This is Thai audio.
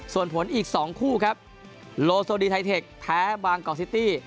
ส่วนผลอีก๒คู่ครับโลโซดีไทเทคแพ้บางกอกซิตี้